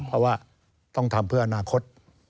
เพราะว่าต้องทำเพื่ออนาคต